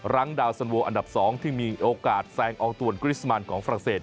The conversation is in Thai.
ดาวสันโวอันดับ๒ที่มีโอกาสแซงอองตวนกริสมันของฝรั่งเศส